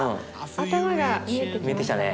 頭が見えてきましたね。